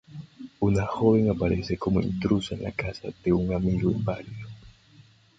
Una joven aparece como intrusa en la casa de un amigo inválido.